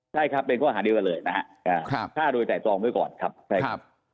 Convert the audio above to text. ใช่ครับเป็นข้อหาเดียวกันเลยนะฮะฆ่าโดยแต่ตองไว้ก่อนครับใช่ครับ